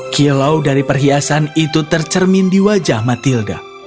kilau dari perhiasan itu tercermin di wajah matilda